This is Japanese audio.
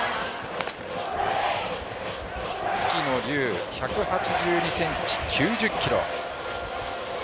月野龍、１８２ｃｍ、９０ｋｇ。